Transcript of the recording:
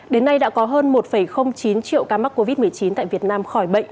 đến nay đã có hơn một chín triệu ca mắc covid một mươi chín tại việt nam khỏi bệnh